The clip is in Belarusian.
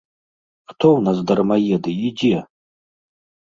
Хто ў нас дармаеды і дзе?